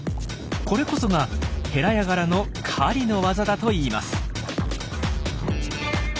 これこそがヘラヤガラの狩りの技だといいます。